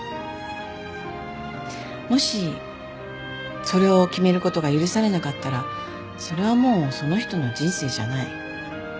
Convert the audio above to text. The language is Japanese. もしそれを決めることが許されなかったらそれはもうその人の人生じゃない。